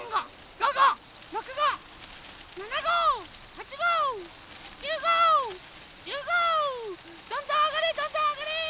どんどんあがれ！